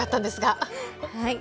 はい。